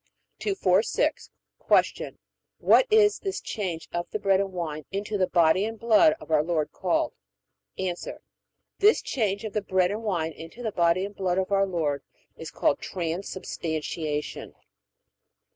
246. Q. What is this change of the bread and wine into the body and blood of our Lord called? A. This change of the bread and wine into the body and blood of our Lord is called Transubstantiation.